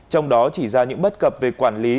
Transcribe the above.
trong đó chỉ ra những bất cập về quản lý